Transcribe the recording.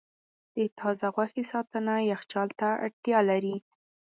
د تازه غوښې ساتنه یخچال ته اړتیا لري.